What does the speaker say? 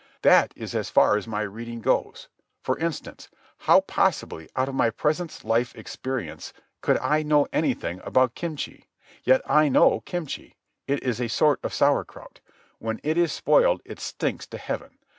That is as far as my reading goes. For instance, how possibly, out of my present life's experience, could I know anything about kimchi? Yet I know kimchi. It is a sort of sauerkraut. When it is spoiled it stinks to heaven.